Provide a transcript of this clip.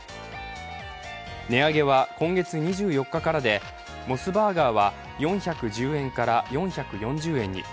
値上げは今月２４日からでモスバーガーは４１０円から４４０円に。